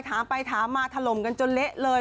ถามไปถามมาถล่มกันจนเละเลย